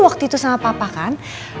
waktu itu sama papa kan